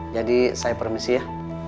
jadi saya permisi ya